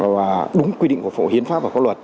và đúng quy định của phổ hiến pháp và có luật